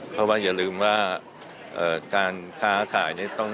เพราะว่าอย่าลืมว่าการค้าขายเนี่ย